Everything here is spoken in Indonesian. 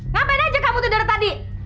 ngapain aja kamu tuh dari tadi